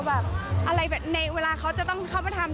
แบบอะไรแบบในเวลาเขาจะต้องเข้ามาทำ